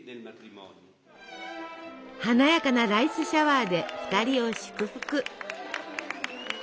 華やかなライスシャワーで２人を祝福！